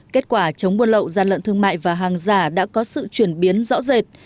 kết quả chống buôn lậu gian lận thương mại và hàng giả đã có sự chuyển biến rõ rệt